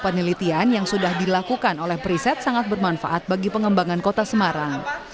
penelitian yang sudah dilakukan oleh periset sangat bermanfaat bagi pengembangan kota semarang